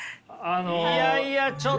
いやいやちょっと皆さん！